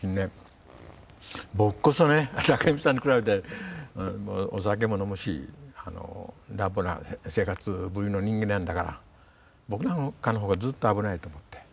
僕こそね武満さんに比べてお酒も飲むし乱暴な生活ぶりの人間なんだから僕なんかのほうがずっと危ないと思って。